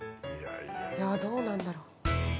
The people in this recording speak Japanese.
いやどうなんだろう？